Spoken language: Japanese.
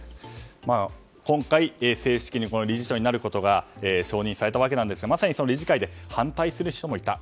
今回、正式に理事長になることが承認されたわけですがまさに、その理事会で反対する人もいた。